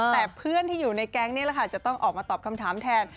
แต่เพื่อนที่อยู่ในแก๊งนี้แหละค่ะจะต้องออกมาตอบคำถามแทน